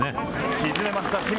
沈めました清水。